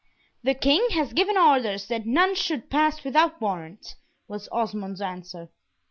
"The King has given orders that none should pass without warrant," was Osmond's answer.